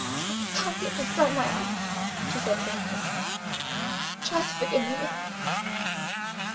"I can't even dry my eyes," she said faintly. "Try to forgive me, miss!"